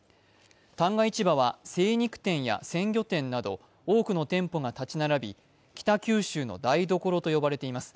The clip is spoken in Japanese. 旦過市場は精肉店や鮮魚店など多くの店舗が立ち並び、北九州の台所と呼ばれています。